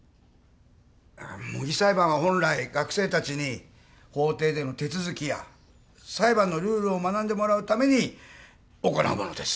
模擬裁判は本来学生たちに法廷での手続きや裁判のルールを学んでもらうために行うものです。